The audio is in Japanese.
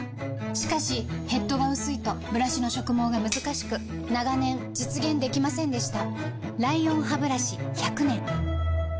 しかしヘッドが薄いとブラシの植毛がむずかしく長年実現できませんでした